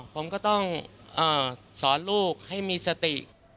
ผมก็ต้องสอนลูกให้มีสติ